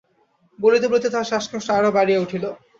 বলিতে বলিতে তাঁহার শ্বাসকষ্ট আরো বাড়িয়া উঠিল।